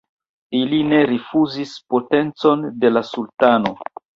Ili ne rifuzis potencon de la sultano.